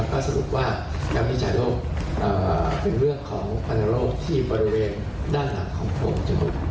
ก็สรุปว่าการวิจัยโรคเป็นเรื่องของพันธโรคที่บริเวณด้านหลังของโพรงจมูก